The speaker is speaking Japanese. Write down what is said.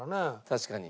確かに。